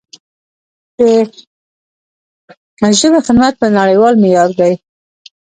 د ژبې خدمت په نړیوال معیار دی.